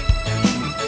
kenapa tidak bisa